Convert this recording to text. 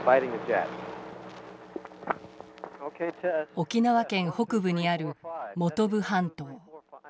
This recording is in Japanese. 沖縄県北部にある本部半島。